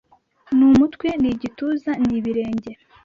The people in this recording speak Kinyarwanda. Numutwe nigituza nibirenge